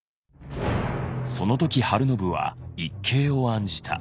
その時晴信は一計を案じた。